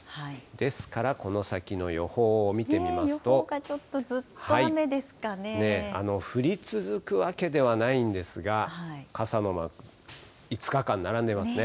ですからこの先の予報を見てみま予報がちょっと、ずっと雨で降り続くわけではないんですが、傘のマーク、５日間並んでますね。